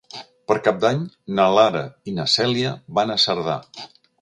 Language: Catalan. Per Cap d'Any na Lara i na Cèlia van a Cerdà.